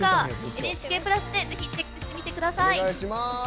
「ＮＨＫプラス」でぜひチェックしてみてください。